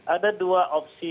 ada dua opsi